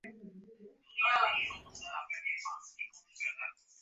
এ নিয়ে কোনো অনিয়ম বা দুর্নীতি হলে ভুক্তভোগী যাত্রীদের পাশে দাঁড়াবে দুদক।